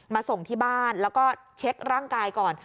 ส่งที่บ้านแล้วก็เช็คร่างกายก่อน